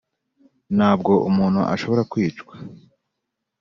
nabwo umuntu ashobora kwicwa